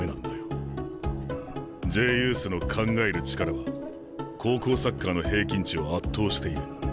Ｊユースの「考える力」は高校サッカーの平均値を圧倒している。